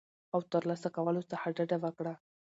او ترلاسه کولو څخه ډډه وکړه